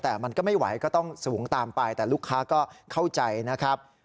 แต่มันก็ไม่ไหวก็ต้องสูงตามไปแต่ลูกค้าก็เข้าใจนะครับ